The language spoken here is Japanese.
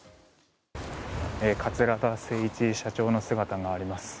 桂田精一社長の姿があります。